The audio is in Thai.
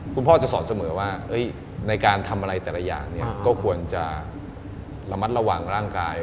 พ่อจะสอนเสมอว่าในการทำอะไรแต่ละอย่างก็ควรจะระมัดระวังร่างกาย